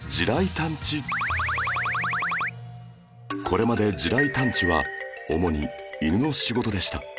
これまで地雷探知は主に犬の仕事でした